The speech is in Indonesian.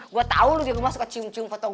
gue tau lu jangan masuk ke cium cium foto gue